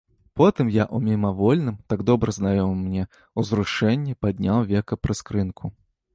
Потым я ў мімавольным, так добра знаёмым мне, узрушэнні падняў века прыскрынку.